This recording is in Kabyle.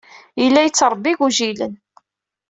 Yella yettṛebbi igujilen.